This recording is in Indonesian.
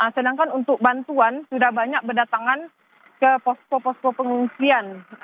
sedangkan untuk bantuan sudah banyak berdatangan ke posko posko pengungsian